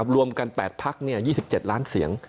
รวมกัน๘พัก๒๗ล้านเสียง